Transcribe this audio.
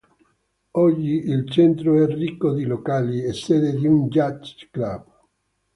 Oggi il centro è ricco di locali, e sede di uno yacht club.